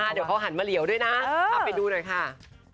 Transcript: เดี๋ยวเขาหันมาเหลียวด้วยนะเอาไปดูหน่อยค่ะ